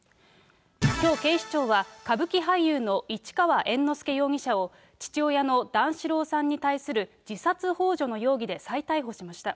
きょう警視庁は、歌舞伎俳優の市川猿之助容疑者を父親の段四郎さんに対する自殺ほう助の容疑で再逮捕しました。